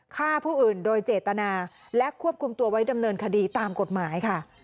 ฆ่าผู้อื่นโดยเจตนาและควบคุมตัวไว้ดำเนินคดีตามกฎหมายค่ะ